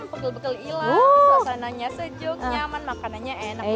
pegel pegel ilang suasananya sejuk nyaman enak banget ya